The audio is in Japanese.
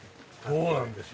そうなんですよ。